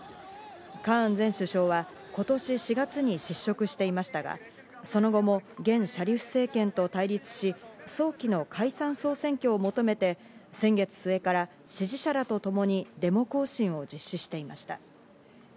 カーン前首相は今年４月に失職していましたが、その後も現シャリフ政権と対立し、早期の解散総選挙を求めて先月末から支持者らとともにデモ行進を実施していました。